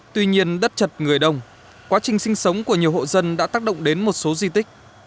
tuy nhiên đất chật người đông quá trình sinh sống của nhiều hộ dân đã tác động đến một số di tích